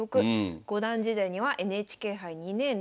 五段時代にはＮＨＫ杯２年連続準優勝。